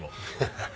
ハハハ。